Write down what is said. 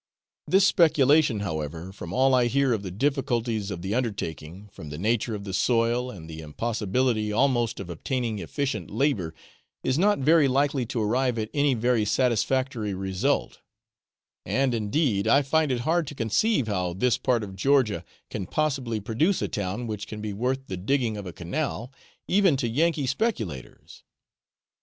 This speculation, however, from all I hear of the difficulties of the undertaking, from the nature of the soil, and the impossibility almost of obtaining efficient labour, is not very likely to arrive at any very satisfactory result; and, indeed, I find it hard to conceive how this part of Georgia can possibly produce a town which can be worth the digging of a canal, even to Yankee speculators.